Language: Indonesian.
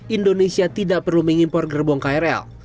indonesia tidak perlu mengimpor gerbong krl